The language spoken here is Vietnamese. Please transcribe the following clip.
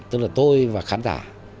tức là tôi và khán giả